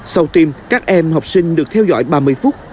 sau tim các em học sinh được theo dõi ba mươi phút